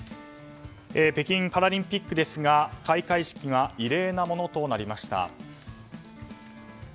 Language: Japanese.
北京パラリンピックですが開会式が異例なものとなりました。